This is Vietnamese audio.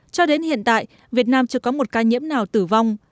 cho đến hiện tại việt nam chưa có một ca nhiễm nào tử vong